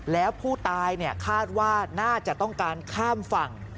แล้วผู้ตายคาดว่าน่าจะต้องการข้ามฝั่ง